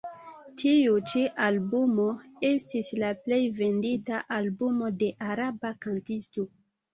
Tiu ĉi albumo estis la plej vendita albumo de araba kantisto.